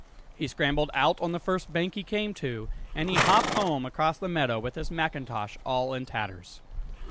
He scrambled out on the first bank he came to, and he hopped home across the meadow with his macintosh all in tatters.